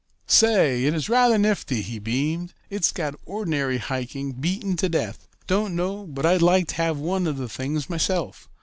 "Say, it is rather nifty," he beamed. "It's got ordinary hiking beaten to death. Don't know but I'd like to have one of the things myself.